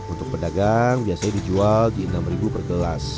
untuk pedagang biasanya dijual di rp enam per gelas